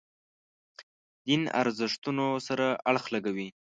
دین ارزښتونو سره اړخ لګوي.